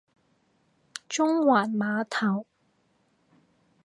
中環碼頭